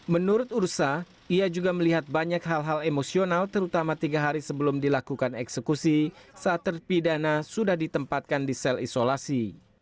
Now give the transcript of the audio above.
menurut ursa ia juga melihat banyak hal hal emosional terutama tiga hari sebelum dilakukan eksekusi saat terpidana sudah ditempatkan di sel isolasi